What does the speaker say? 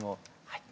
はい。